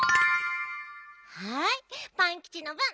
はいパンキチのぶん！